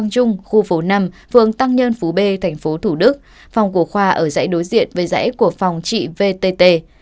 trung khu phố năm phường tăng nhân phú b tp thủ đức phòng của khoa ở dãy đối diện với dãy của phòng trị vtt